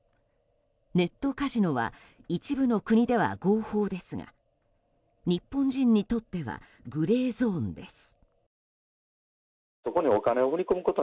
ネットカジノは一部の国では合法ですが日本人にとってはグレーゾーンです。